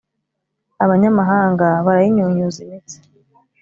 Abanyamahanga barayinyunyuza imitsi,